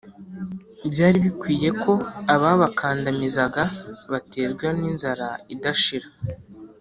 Byari bikwiye ko ababakandamizaga baterwa n’inzara idashira,